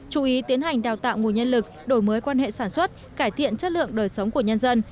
chú ý tiến hành đào tạo nguồn nhân lực đổi mới quan hệ sản xuất cải thiện chất lượng đời sống của nhân dân